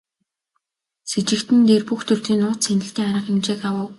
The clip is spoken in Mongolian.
Сэжигтэн дээр бүх төрлийн нууц хяналтын арга хэмжээг авав.